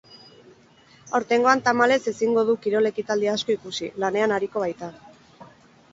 Aurtengoan tamalez ezingo du kirol ekitaldi asko ikusi, lanean ariko baita.